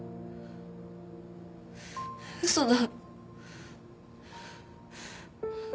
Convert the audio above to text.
嘘だ。